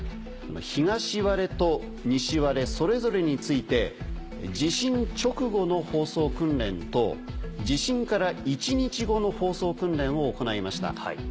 東割れと西割れそれぞれについて地震直後の放送訓練と地震から１日後の放送訓練を行いました。